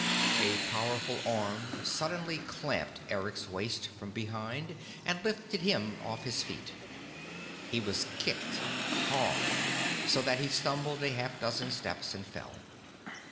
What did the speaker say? A powerful arm suddenly clamped Eric's waist from behind and lifted him off his feet. He was kicked hard, so that he stumbled a half dozen steps and fell.